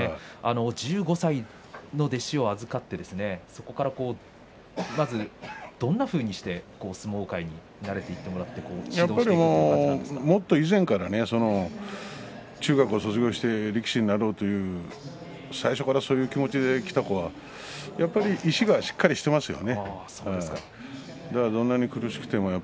１５歳の弟子を預かってそこから、どんなふうにして相撲界にもっと以前から中学卒業して力士になろうという最初からという気持ちできた子はやはり意志がしっかりしていますね。